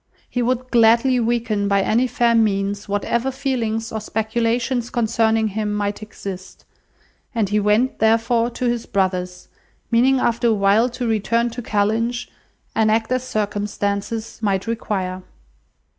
He would gladly weaken, by any fair means, whatever feelings or speculations concerning him might exist; and he went, therefore, to his brother's, meaning after a while to return to Kellynch, and act as circumstances might require.